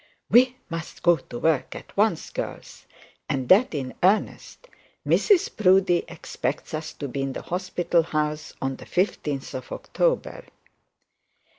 'We must go to work at once, girls; and that in earnest. Mrs Proudie expects us to be in the hospital house on the 15th of October.'